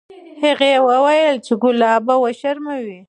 هغې وویل چې ګلاب به وشرموي.